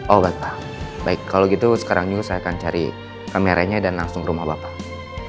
oh baik pak baik kalau gitu sekarangnya saya akan cari kameranya dan langsung ke rumah bapak